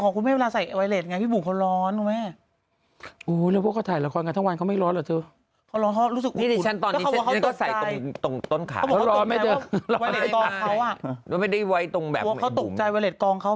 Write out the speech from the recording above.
โคนขามจะหายได้ยังไงเลยอีกต้องบ้า